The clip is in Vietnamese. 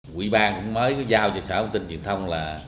quỹ ban mới giao cho sở thông tin truyền thông